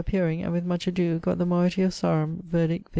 appearing, and with much adoe, gott the moëity of Sarum, verdict viz.